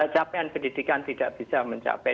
capaian pendidikan tidak bisa mencapai